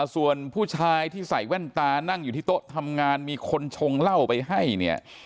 ส่วนผู้ชายที่ใส่แว่นตานั่งอยู่ที่โต๊ะทำงานมีคนชงเหล้าไปให้เนี่ย